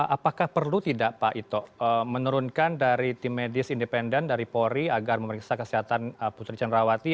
apakah perlu tidak pak ito menurunkan dari tim medis independen dari polri agar memeriksa kesehatan putri cenrawati